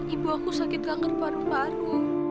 ibu aku sakit kanker paru paru